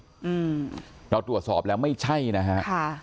อืมเราตรวจสอบแล้วไม่ใช่นะฮะค่ะ